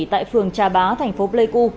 tại phường trà bá thành phố pleiku